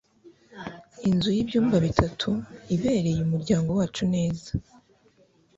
Inzu y'ibyumba bitatu ibereye umuryango wacu neza.